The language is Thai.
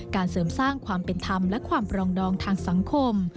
เสริมสร้างความเป็นธรรมและความปรองดองทางสังคม